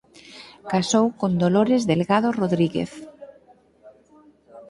Casou con Dolores Delgado Rodríguez.